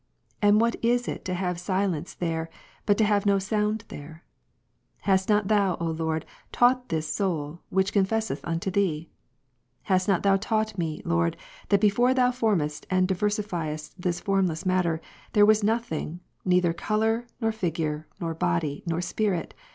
And what is it to have silence there, but to have no sound thei'e ? Hast not Thou, O Lord, taught this soul, which confesseth unto Thee ? Hast not Thou taught me. Lord, that before Thou formedst and diversifiedst this formless matter, there Avas nothing, neither colour, nor figure, nor body, nor spirit